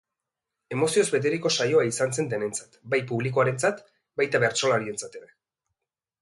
Emozioz beteriko saioa izan zen denentzat, bai publikoarentzat, baita bertsolarientzat ere.